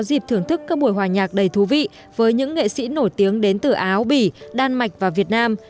việt nam có dịp thưởng thức các buổi hòa nhạc đầy thú vị với những nghệ sĩ nổi tiếng đến từ áo bỉ đan mạch và việt nam